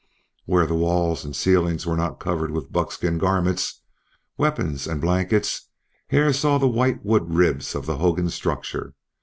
Where the walls and ceiling were not covered with buckskin garments, weapons and blankets, Hare saw the white wood ribs of the hogan structure.